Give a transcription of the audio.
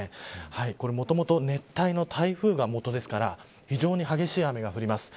もともと熱帯の台風が元ですから非常に激しい雨が降ります。